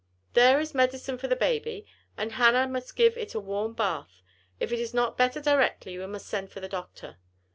There is medicine for the baby, and Hannah must give it a warm bath. If it is not better directly we must send for the doctor.